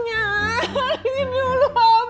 nyarin dulu abang